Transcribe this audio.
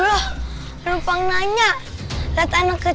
oh jadinya bandy